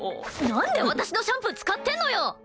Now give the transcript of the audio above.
なんで私のシャンプー使ってんのよ！？